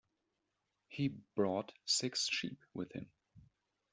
He brought six sheep with him.